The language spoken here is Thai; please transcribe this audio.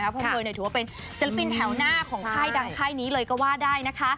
เพราะเธอถือว่าเป็นศิลปินแถวหน้าของค่ายดังค่ายนี้เลยก็ว่าได้นะคะ